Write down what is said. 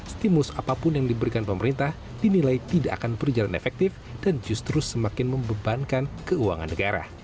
stimus apapun yang diberikan pemerintah dinilai tidak akan berjalan efektif dan justru semakin membebankan keuangan negara